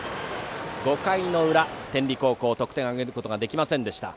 ５回の裏、天理高校得点を挙げることはできませんでした。